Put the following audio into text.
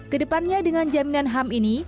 kedepannya dengan jaminan ham ini